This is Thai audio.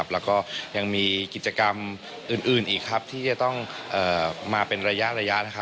แล้วก็ยังมีกิจกรรมอื่นอีกที่จะต้องมาเป็นระยะ